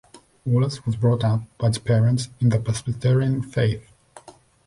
Wallace was brought up by his parents in the Presbyterian faith.